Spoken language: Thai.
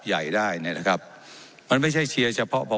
เจ้าหน้าที่ของรัฐมันก็เป็นผู้ใต้มิชชาท่านนมตรี